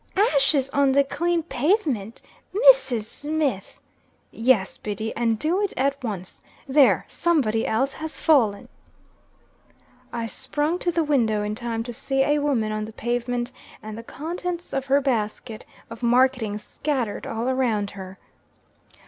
"Ashes on the clane pavement! Mrs. Smith!" "Yes, Biddy; and do it at once. There! Somebody else has fallen." I sprung to the window in time to see a woman on the pavement, and the contents of her basket of marketing scattered all around her.